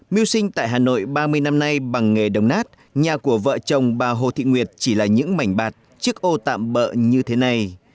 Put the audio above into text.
mưu sinh tại hà nội ba mươi năm nay bằng nghề đồng nát nhà của vợ chồng bà hồ thị nguyệt chỉ là những mảnh bạt chiếc ô tạm bỡ như thế này